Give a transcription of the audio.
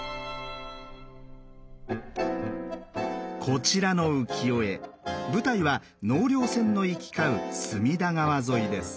こちらの浮世絵舞台は納涼船の行き交う隅田川沿いです。